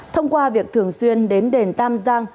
thông qua việc thường xuyên đến đền tam giang